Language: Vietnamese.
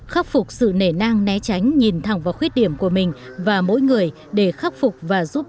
khắc phục sự nể nang né tránh nhìn thẳng vào khuyết điểm của mình và mỗi người để khắc phục và giúp